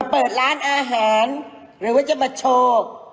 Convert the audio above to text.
เปิดร้านอาหารหรือว่าจะมาโชว์